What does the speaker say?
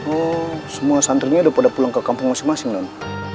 oh semua santrinya udah pada pulang ke kampung masing masing non